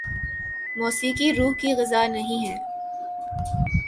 موسیقی روح کی غذا نہیں ہے